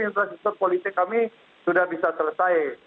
infrastruktur politik kami sudah bisa selesai